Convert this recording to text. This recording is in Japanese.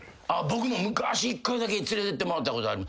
僕も昔１回だけ連れてってもらったことある。